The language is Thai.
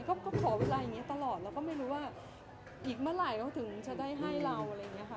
ก็ขอเวลาอย่างนี้ตลอดเราก็ไม่รู้ว่าอีกเมื่อไหร่เขาถึงจะได้ให้เราอะไรอย่างนี้ค่ะ